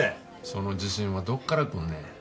その自信はどっから来んねん？